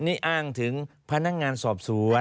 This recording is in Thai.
นี่อ้างถึงพนักงานสอบสวน